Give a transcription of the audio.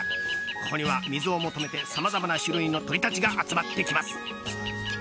ここには水を求めて様々な種類の鳥たちが集まってきます。